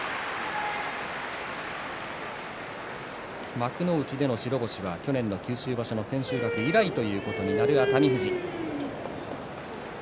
幕内での白星は去年の九州場所の千秋楽以来ということになる熱海富士。